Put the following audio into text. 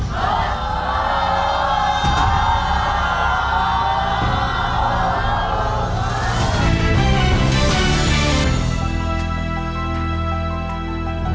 หูหูหู